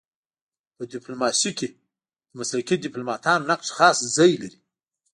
په ډيپلوماسی کي د مسلکي ډيپلوماتانو نقش خاص ځای لري.